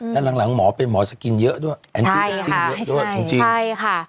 แล้วหลังหมอเป็นหมอสกินเยอะด้วยแอนติดจริงใช่ค่ะ